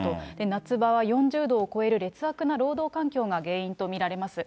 夏場は４０度を超える劣悪な労働環境が原因と見られます。